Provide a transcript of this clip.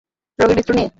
রবির মৃত্যু নিয়ে?